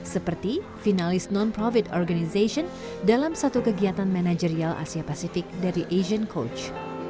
seperti finalis non profit organization dalam satu kegiatan manajerial asia pasifik dari asian coach